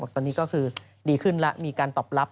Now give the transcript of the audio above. ตอนนี้ก็คือดีขึ้นแล้วมีการตอบรับ